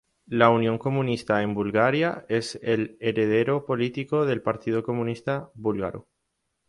La Unión de Comunistas en Bulgaria es el heredero político del Partido Comunista Búlgaro.